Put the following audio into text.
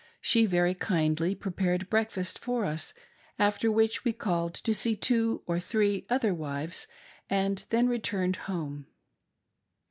She very kindly prepared breakfast for us ; after which we called to see two or three other wives, and then returned home.